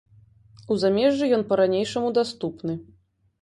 У замежжы ён па-ранейшаму даступны.